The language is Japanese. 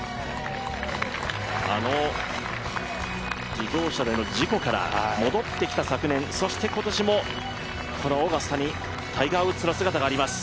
あの自動車での事故から戻ってきた昨年、そして今年も、このオーガスタにタイガー・ウッズの姿があります。